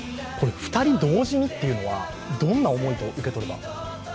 ２人同時にというのは、どんな思いと受け取れば？